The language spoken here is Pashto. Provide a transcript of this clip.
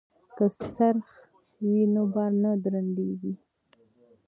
که څرخ وي نو بار نه درندیږي.